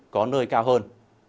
có nơi cao hơn